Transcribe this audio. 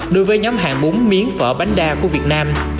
đối với nhóm hàng bún miếng phở bánh đa của việt nam